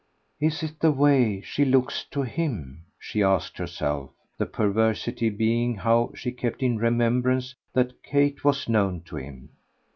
"Is it the way she looks to HIM?" she asked herself the perversity being how she kept in remembrance that Kate was known to him.